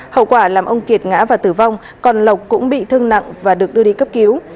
hậu quả làm ông kiệt ngã và tử vong còn lộc cũng bị thương nặng và được đưa đi cấp cứu